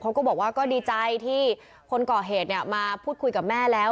เขาก็บอกว่าก็ดีใจที่คนก่อเหตุเนี่ยมาพูดคุยกับแม่แล้ว